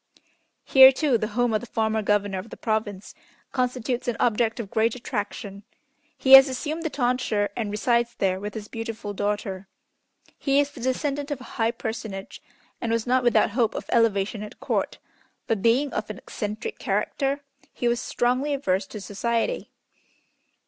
Here, too, the home of the former Governor of the Province constitutes an object of great attraction. He has assumed the tonsure, and resides there with his beautiful daughter. He is the descendant of a high personage, and was not without hope of elevation at Court, but, being of an eccentric character, he was strongly averse to society.